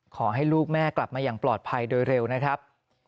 ขอให้ลูกแม่กลับมาอย่างปลอดภัยโดยเร็วนะครับ